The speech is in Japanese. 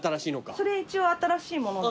それ一応新しいもので。